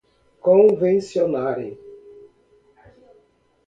convencionarem